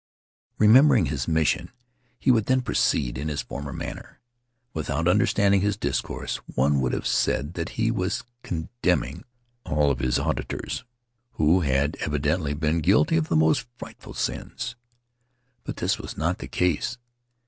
Remembering his mission, he would then proceed in his former manner. Without understanding his discourse, one would have said that he was condemning all of his auditors, who had evidently been guilty of the most frightful sins. But this was not the case.